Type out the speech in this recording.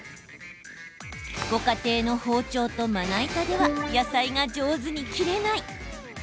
ご家庭の包丁とまな板では野菜が上手に切れない。